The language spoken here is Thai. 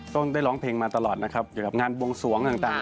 ต้องได้ร้องเพลงมาตลอดนะครับเกี่ยวกับงานบวงสวงต่าง